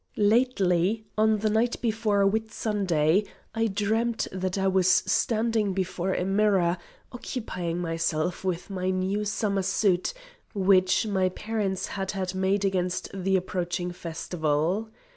] Lately, on the night before Whit Sunday, I dreamed that I was standing before a mirror, occupying myself with my new summer suit, which my parents had had made against the approaching festival.